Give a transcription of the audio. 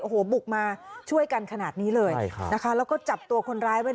โอ้โหบุกมาช่วยกันขนาดนี้เลยใช่ค่ะนะคะแล้วก็จับตัวคนร้ายไว้